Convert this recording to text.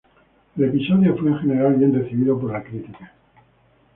El episodio fue en general bien recibido por la crítica.